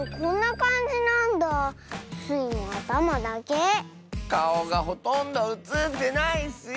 かおがほとんどうつってないッスよ。